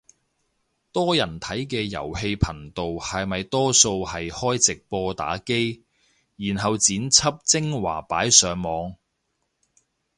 多人睇嘅遊戲頻道係咪多數係開直播打機，然後剪輯精華擺上網